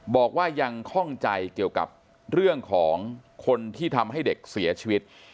บอกว่ายังคล่องใจเกี่ยวกับเรื่องของคนที่ทำให้เด็กเสียชีวิต